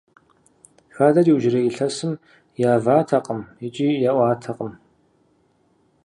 Хадэр иужьрей илъэсым яватэкъым икӀи яӀуатэкъым.